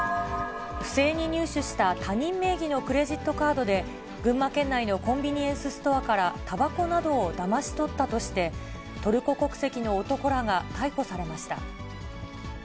不正に入手した他人名義のクレジットカードで、群馬県内のコンビニエンスストアからたばこなどをだまし取ったとして、トルコ国籍の男らが逮捕されました。